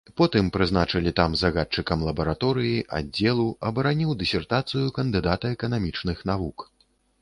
Потым прызначылі там загадчыкам лабараторыі, аддзелу, абараніў дысертацыю кандыдата эканамічных навук.